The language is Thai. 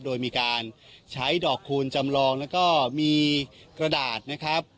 โดยมีการใช้ดอกคูณจำลองแล้วก็มีกระดาษนะครับ